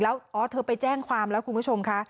แล้วอ๋อเธอไปแจ้งความแล้วคุณผู้ชมค่ะ